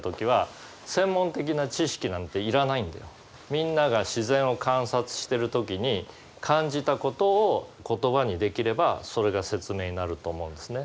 みんなが自然を観察してる時に感じたことを言葉にできればそれが説明になると思うんですね。